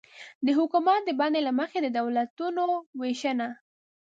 د حکومت د بڼې له مخې د دولتونو وېشنه